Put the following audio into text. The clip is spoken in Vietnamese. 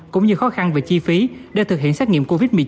cũng như khó khăn về chi phí để thực hiện xét nghiệm covid một mươi chín